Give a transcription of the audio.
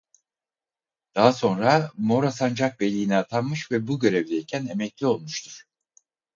Daha sonra Mora sancakbeyliğine atanmış ve bu görevdeyken emekli olmuştur.